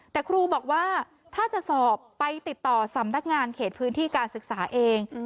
แต่ครูบอกว่าถ้าจะสอบไปติดต่อสำนักงานเขตพื้นที่การศึกษาเอง